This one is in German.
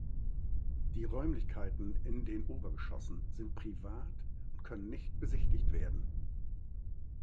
Die Räumlichkeiten in den Obergeschossen sind privat und können nicht besichtigt werden.